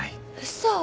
嘘！？